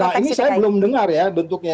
nah ini saya belum dengar ya bentuknya